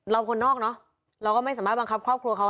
คนนอกเนอะเราก็ไม่สามารถบังคับครอบครัวเขา